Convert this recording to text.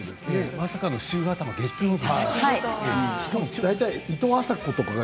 まさかの週頭の月曜日。